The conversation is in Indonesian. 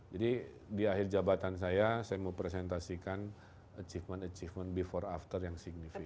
jadi di akhir jabatan saya saya mau presentasikan achievement achievement before after yang signifikan